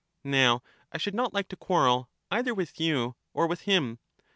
Now, I should Gorgias, not like to quarrel either with you or with him.